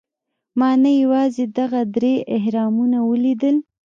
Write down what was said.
ما نه یوازې دغه درې اهرامونه ولیدل.